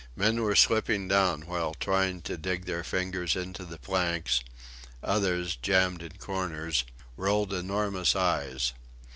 Men were slipping down while trying to dig their fingers into the planks; others, jammed in corners, rolled enormous eyes.